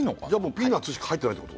ピーナッツしか入ってないってこと？